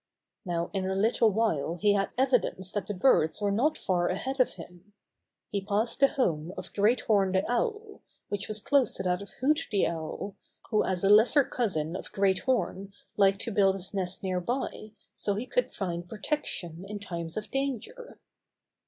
Now in a little while he had evidence that the birds were not far ahead of him. He passed the home of Great Horn the Owl, which was close to that of Hoot the Owl, who as a lesser cousin of Great Horn liked to build his nest nearby so he could find protec tion in times of danger.